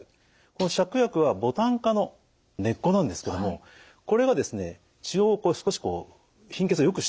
この芍薬はボタン科の根っこなんですけどもこれがですね血を少しこう貧血をよくしてくれる。